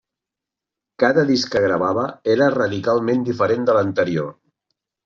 Cada disc que gravava era radicalment diferent de l'anterior.